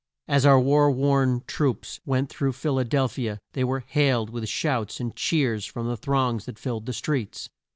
As our war worn troops went through Phil a del phi a they were hailed with shouts and cheers from the throngs that filled the streets.